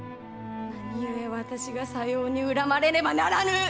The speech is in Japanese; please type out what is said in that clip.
何故私がさように恨まれねばならぬ！